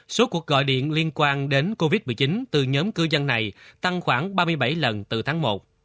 số cuộc gọi điện liên quan đến covid một mươi chín từ nhóm cư dân này tăng khoảng ba mươi bảy lần từ tháng một